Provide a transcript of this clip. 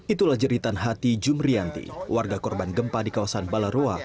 itulah jeritan hati jumrianti warga korban gempa di kawasan balaroa